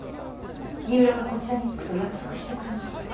三浦がこちらにつくと約束してくれました。